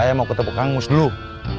nanti dia akan berjalan